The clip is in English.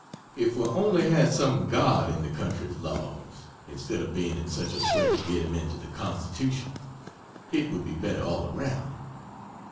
If we only had some God in the country's laws, instead of being in such a sweat to get Him into the Constitution, it would be better all around.